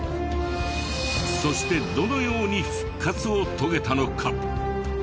そしてどのように復活を遂げたのか？